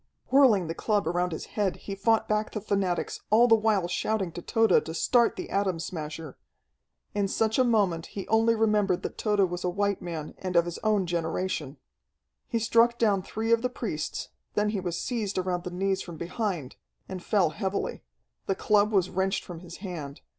Whirling the club around his head, he fought back the fanatics, all the while shouting to Tode to start the Atom Smasher. In such a moment he only remembered that Tode was a white man, and of his own generation. He struck down three of the priests; then he was seized around the knees from behind, and fell heavily. The club was wrenched from his hand.